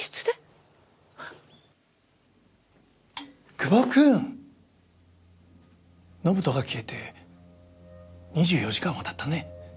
窪くん延人が消えて２４時間は経ったねぇ。